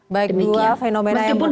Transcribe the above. baik dua fenomena yang muncul